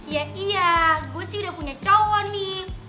ya iya gue sih udah punya cowok nih